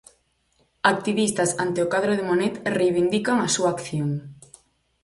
Activistas ante o cadro de Monet reivindican a súa acción.